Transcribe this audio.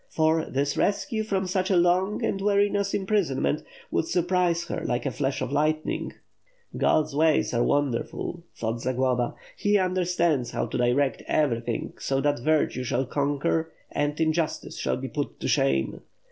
For this rescue from such a long and wearisome imprisonment would sur prise her, like a flash of lightning ... "God's ways are wonderful," thought Zagloba; "He understands how to direct everything so that virtue shall conquer and injustice shall be put to shame.